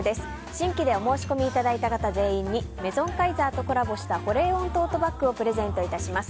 新規でお申し込みいただいた方全員にメゾンカイザーとコラボした保冷温トートバッグをプレゼントいたします。